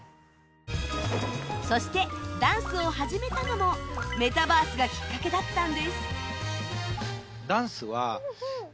そしてダンスを始めたのもメタバースがきっかけだったんです